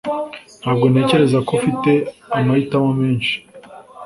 ntabwo ntekereza ko ufite amahitamo menshi